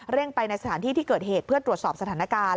ไปในสถานที่ที่เกิดเหตุเพื่อตรวจสอบสถานการณ์